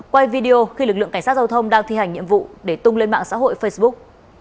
quay video khi lực lượng cảnh sát giao thông đang thi hành nhiệm vụ để tung lên mạng xã hội facebook